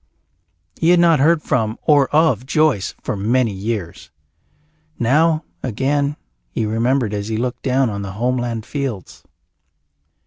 He had not heard from or of Joyce for many years. Now, again, he remembered as he looked down on the homeland fields.